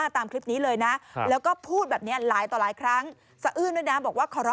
ตบหน้าสิครับ